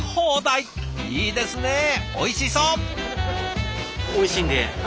いいですねおいしそう！